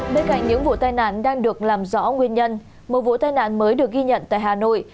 bên cạnh những vụ tai nạn đang được làm rõ nguyên nhân một vụ tai nạn mới được ghi nhận tại hà nội